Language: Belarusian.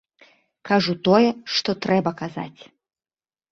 Кажу тое, што трэба казаць.